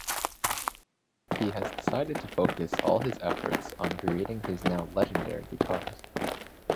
He has decided to focus all his efforts on creating his now legendary guitars.